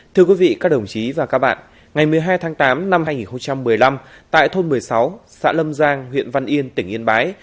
thưa quý vị các đồng chí và các bạn ngày một mươi hai tháng tám năm hai nghìn một mươi năm tại thôn một mươi sáu xã lâm giang huyện văn yên tỉnh yên bái